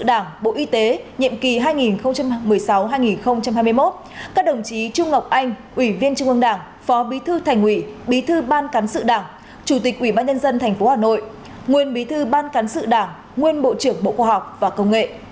đồng chí trung ngọc anh ủy viên trung ương đảng phó bí thư thành ủy bí thư ban cán sự đảng chủ tịch ủy ban nhân dân tp hà nội nguyên bí thư ban cán sự đảng nguyên bộ trưởng bộ khoa học và công nghệ